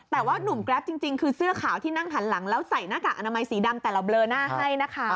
แต่ว่านุ่มแกรปจริงคือเสื้อขาวที่นั่งหันหลังแล้วใส่หน้ากากอนามัยสีดำแต่เราเลอหน้าให้นะคะ